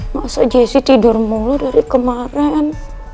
masa jessi tidur mulu dari kemarin